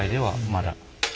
まだ。